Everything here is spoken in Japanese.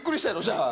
じゃあ。